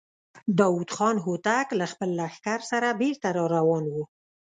داوود خان هوتک له خپل لښکر سره بېرته را روان و.